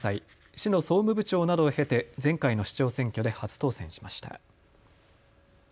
市の総務部長などを経て前回の市長選挙で初当選しました。